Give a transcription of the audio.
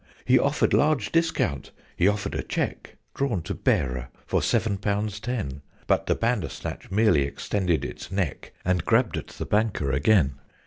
He offered large discount he offered a cheque (Drawn "to bearer") for seven pounds ten: But the Bandersnatch merely extended its neck And grabbed at the Banker again.